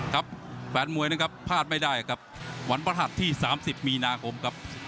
ครับแฟนมวยนะครับพลาดไม่ได้ครับวันพระหัสที่๓๐มีนาคมครับ